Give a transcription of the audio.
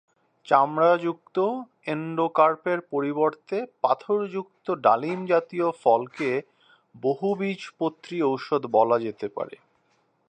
চামড়াযুক্ত এন্ডোকার্পের পরিবর্তে পাথরযুক্ত ডালিম জাতীয় ফলকে বহুবীজপত্রী ঔষধ বলা যেতে পারে।